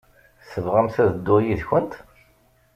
Tebɣamt ad dduɣ yid-kent?